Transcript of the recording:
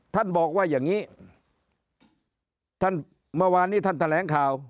ท่านบอกว่าอย่างนี้ท่านเมื่อวานนี้ท่านแถลงข่าว